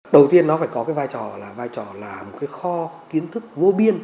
đầu tiên nó phải có cái vai trò là vai trò là một cái kho kiến thức vô biên